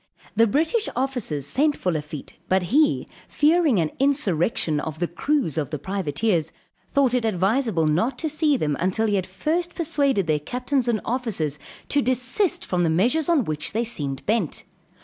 The British officers sent for Lafitte; but he, fearing an insurrection of the crews of the privateers, thought it advisable not to see them until he had first persuaded their captains and officers to desist from the measures on which they seemed bent.